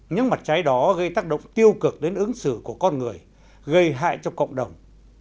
những mặt trái đó gây tác động tiêu cực đến ứng xử của con người gây hại cho cộng đồng